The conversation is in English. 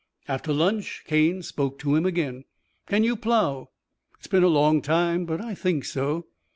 After lunch Cane spoke to him again. "Can you plough?" "It's been a long time but I think so."